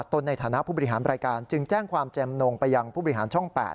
ในฐานะผู้บริหารรายการจึงแจ้งความแจ่มนงไปยังผู้บริหารช่อง๘